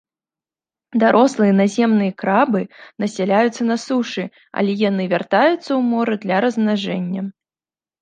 Дарослыя наземныя крабы насяляюць на сушы, але яны вяртаюцца ў мора для размнажэння.